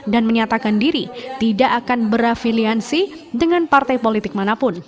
dan menyatakan diri tidak akan berafiliansi dengan partai politik manapun